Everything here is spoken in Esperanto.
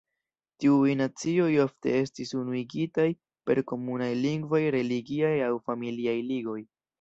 Tiuj nacioj ofte estis unuigitaj per komunaj lingvaj, religiaj aŭ familiaj ligoj.